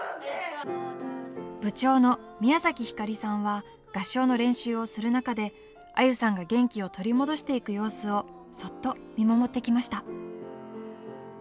は合唱の練習をする中で愛友さんが元気を取り戻していく様子をそっと見守ってきました。